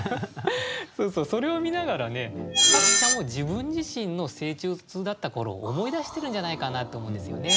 それを見ながらね作者も自分自身の成長痛だった頃を思い出してるんじゃないかなと思うんですよね。